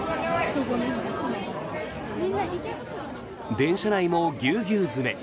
電車内もぎゅうぎゅう詰め。